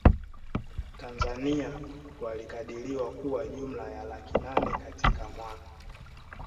Tanzania walikadiriwa kuwa jumla ya laki nane katika mwaka